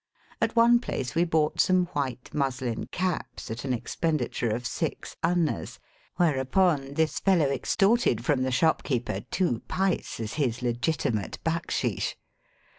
At one place we bought some white muslin caps at an expenditure of six annas, whereupon this fellow extorted from the shopkeeper two* pice as his legitimate backsheesh.